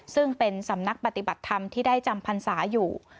ซึ่งเป็นสำนักปฏิบัติธรรมที่ได้จำพรรษาอยู่